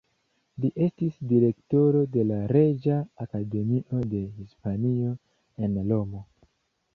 Li estis Direktoro de la Reĝa Akademio de Hispanio en Romo.